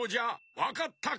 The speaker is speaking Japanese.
わかったか？